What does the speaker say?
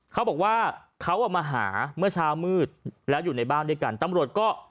เขาบอกว่าเขาอ่ะมาหาเมื่อเช้ามืดแล้วอยู่ในบ้านด้วยกันตำรวจก็